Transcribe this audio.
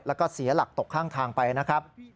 แล้วก็เสียหลักตกข้างทางไปนะครับ